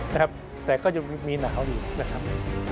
นะครับแต่ก็ยังมีหนาวอยู่นะครับ